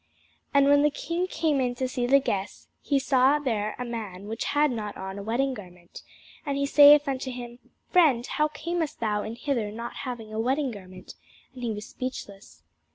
And when the king came in to see the guests, he saw there a man which had not on a wedding garment: and he saith unto him, Friend, how camest thou in hither not having a wedding garment? And he was speechless.